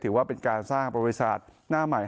ถือว่าเป็นการสร้างประวัติศาสตร์หน้าใหม่